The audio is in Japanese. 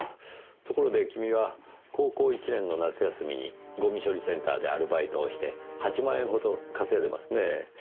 ところで君は高校１年の夏休みにごみ処理センターでアルバイトをして８万円ほど稼いでますねぇ。